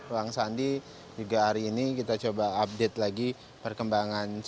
ruang sandi juga hari ini kita coba update lagi perkembangan c satu